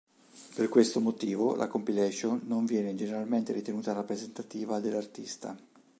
Per questo motivo, la compilation non viene generalmente ritenuta rappresentativa dell'artista.